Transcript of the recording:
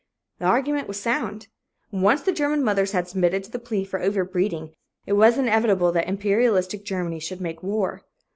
The argument was sound. Once the German mothers had submitted to the plea for overbreeding, it was inevitable that imperialistic Germany should make war.